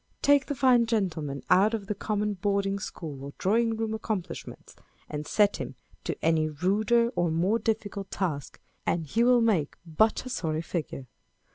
Take the fine gentleman out of the common boarding school or drawing room ac complishments, and set him to any ruder or more difficult task, and he will make but a sorry figure.